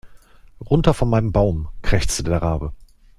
Runter von meinem Baum, krächzte der Rabe.